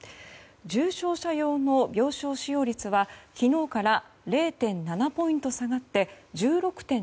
重傷者用の病床使用率は昨日から０．７ポイント下がって１６．７％。